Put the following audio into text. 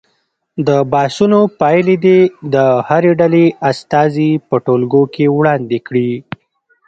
د بحثونو پایلې دې د هرې ډلې استازي په ټولګي کې وړاندې کړي.